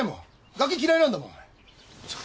ガキ嫌いなんだもん